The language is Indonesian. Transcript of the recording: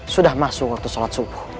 sudah masuk waktu sholat subuh